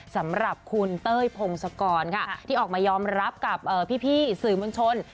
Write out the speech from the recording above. สำหรับคุณเต้ยพงศกรค่ะที่ออกมายอมรับกับพี่สื่อมวลชน